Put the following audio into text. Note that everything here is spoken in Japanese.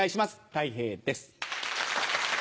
たい平です。